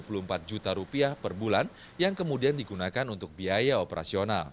daur ulang ini dapat mencapai angka rp dua puluh empat juta per bulan yang kemudian digunakan untuk biaya operasional